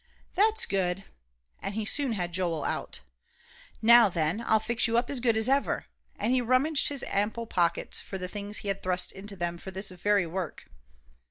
"That's good," and he soon had Joel out. "Now then, I'll fix you up as good as ever," and he rummaged his ample pockets for the things he had thrust into them for this very work.